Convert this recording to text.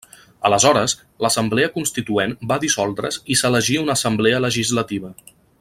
Aleshores, l'Assemblea Constituent va dissoldre's i s'elegí una Assemblea Legislativa.